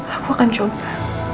aku akan coba